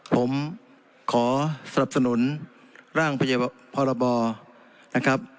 ผมขอสรรพสนุนร่างพยพลบนะครับ